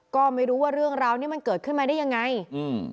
ก็ไม่รู้ว่าเรื่องราวนี้มันเกิดขึ้นมาได้ยังไงอืม